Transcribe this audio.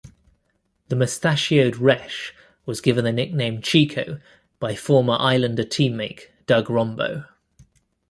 The mustachioed Resch was given the nickname "Chico" by former Islander teammate Doug Rombough.